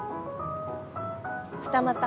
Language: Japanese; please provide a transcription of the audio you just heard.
二股。